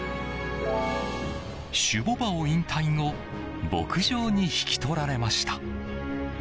種牡馬を引退後牧場に引き取られました。